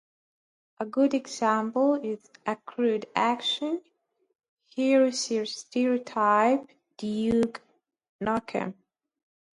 A good example is the crude, action hero stereotype, Duke Nukem.